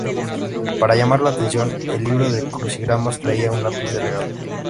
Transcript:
Para llamar la atención, el libro de crucigramas traía un lápiz de regalo.